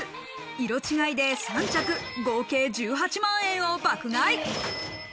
色違いで３着、合計１８万円を爆買い。